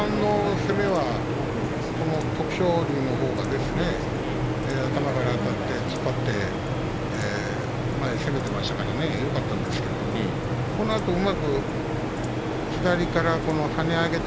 攻めは徳勝龍のほうが頭からあたって突っ張って前に攻めていましたらよかったんですけどもこのあとうまく左から跳ね上げた